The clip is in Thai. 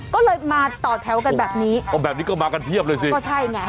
ก็เลยมาต่อแถวกันแบบนี้โอ้แบบนี้ก็มากันเพียบเลยสิก็ใช่ไง